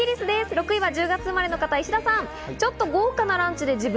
６位は１０月生まれの方、石田さん。